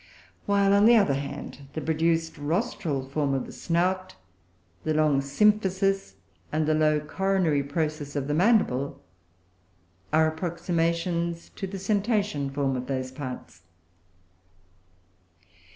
While, on the other hand, the produced rostral form of the snout, the long symphysis, and the low coronary process of the mandible are approximations to the cetacean form of those parts.